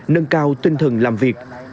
nâng cao tinh thần làm việc